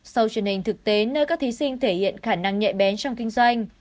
sau truyền hình thực tế nơi các thí sinh thể hiện khả năng nhạy bén trong kinh doanh